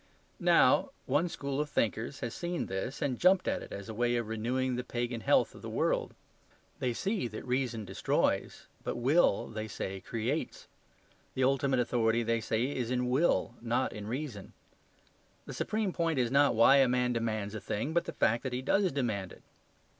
Now, one school of thinkers has seen this and jumped at it as a way of renewing the pagan health of the world. They see that reason destroys; but Will, they say, creates. The ultimate authority, they say, is in will, not in reason. The supreme point is not why a man demands a thing, but the fact that he does demand it.